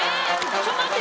ちょっと待って。